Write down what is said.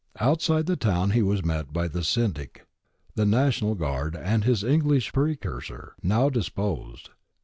Outside the town he was met by the Syndic, the National Guard, and his English precursor, now deposed.